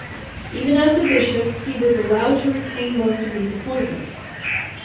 Even as a bishop, he was allowed to retain most of these appointments.